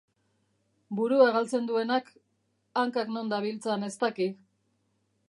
Burua galtzen duenak, hankak non dabiltzan ez daki